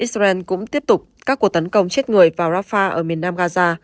israel cũng tiếp tục các cuộc tấn công chết người vào rafah ở miền nam gaza